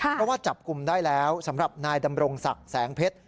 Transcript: เพราะว่าจับกลุ่มได้แล้วสำหรับนายดำรงศักดิ์แสงเพชร